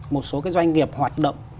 một số doanh nghiệp hoạt động